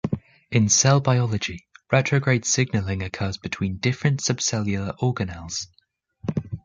In cell biology, retrograde signaling occurs between different subcellular organelles.